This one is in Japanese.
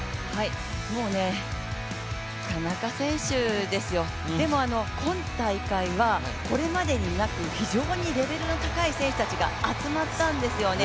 もうね田中選手ですよ、でも今大会はこれまでになく非常にレベルの高い選手たちが集まったんですよね。